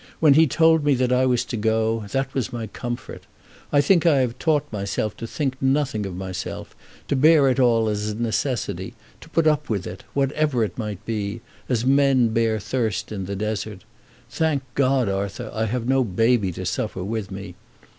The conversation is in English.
"When he told me that I was to go, that was my comfort. I think I have taught myself to think nothing of myself, to bear it all as a necessity, to put up with it, whatever it may be, as men bear thirst in the desert. Thank God, Arthur, I have no baby to suffer with me.